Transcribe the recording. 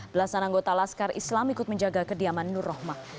belasan anggota laskar islam ikut menjaga kediaman nur rohmah